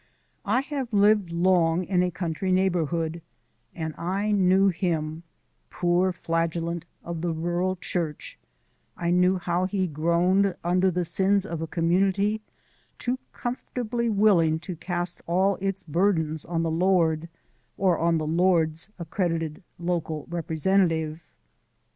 I have lived long in a country neighbourhood, and I knew him poor flagellant of the rural church I knew how he groaned under the sins of a Community too comfortably willing to cast all its burdens on the Lord, or on the Lord's accredited local representative.